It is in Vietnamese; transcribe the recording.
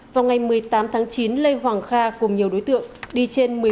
vào ngày một mươi tám tháng chín lê hoàng kha cùng nhiều đối tượng đi trên